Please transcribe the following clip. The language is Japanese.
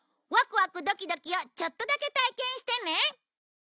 ワクワクドキドキをちょっとだけ体験してね。